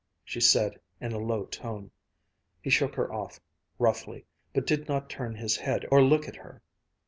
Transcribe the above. _" she said in a low tone. He shook her off roughly, but did not turn his head or look at her.